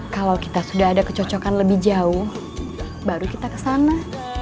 kalau kita sudah ada kecocokan lebih jauh baru kita ke sana